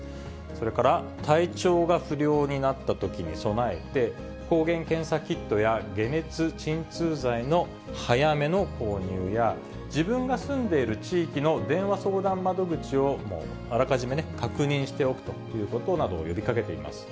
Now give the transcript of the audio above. それから体調が不良になったときに備えて、抗原検査キットや解熱鎮痛剤の早めの購入や、自分が住んでいる地域の電話相談窓口を、あらかじめ確認しておくということなどを呼びかけています。